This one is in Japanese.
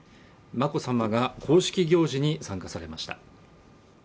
眞子さまが公式行事に参加されました